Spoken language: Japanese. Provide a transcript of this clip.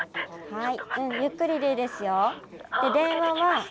☎はい。